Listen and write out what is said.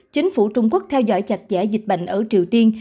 chính phủ trung quốc theo dõi chặt chẽ dịch bệnh ở triều tiên